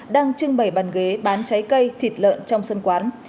đang trưng bày bàn ghế bán trái cây thịt lợn trong sân quán